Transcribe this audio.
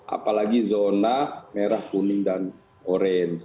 apalagi zona merah kuning dan orange